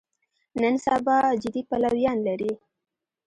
نن سبا جدي پلویان لري.